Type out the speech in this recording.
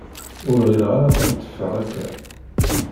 Ur ɣileɣ ara ad d-teffeɣ akka.